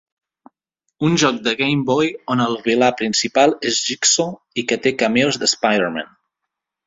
Un joc de Game Boy on el vilà principal és Jigsaw i que té cameos de Spider-man.